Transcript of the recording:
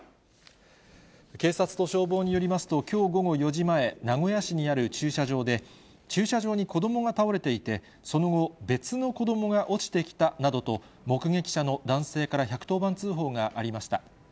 警察と消防によりますと、きょう午後４時前、名古屋市にある駐車場で、駐車場に子どもが倒れていて、その後、別の子どもが落ちてきたなどと目撃者の男性から１１０番通報がありました。